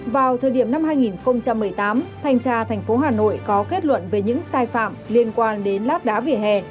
vào thời điểm năm hai nghìn một mươi tám thanh tra thành phố hà nội có kết luận về những sai phạm liên quan đến lát đá vỉa hè